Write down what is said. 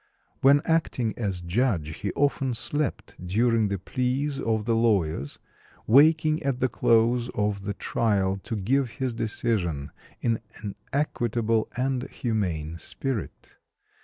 When acting as judge he often slept during the pleas of the lawyers, waking at the close of the trial to give his decision in an equitable and humane spirit.